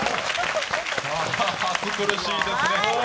暑苦しいですね。